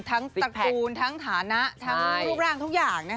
ตระกูลทั้งฐานะทั้งรูปร่างทุกอย่าง